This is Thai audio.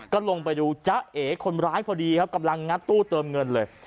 ก็ลงไปดูจ๊ะเอ๋คนร้ายพอดีครับกำลังงัดตู้เติมเงินเลย